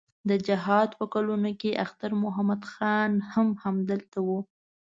د جهاد په کلونو کې اختر محمد خان هم هلته و.